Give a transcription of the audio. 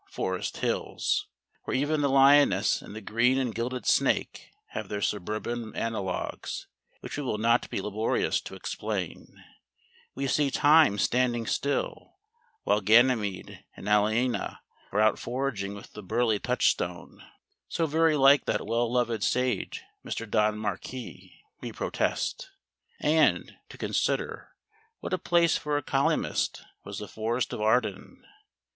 Forest Hills), where even the lioness and the green and gilded snake have their suburban analogues, which we will not be laborious to explain we see Time standing still while Ganymede and Aliena are out foraging with the burly Touchstone (so very like that well loved sage Mr. Don Marquis, we protest!). And, to consider, what a place for a colyumist was the Forest of Arden.